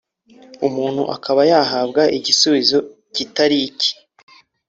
umuntu akaba yahabwa igisubizo kitari icye